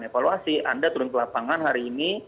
evaluasi anda turun ke lapangan hari ini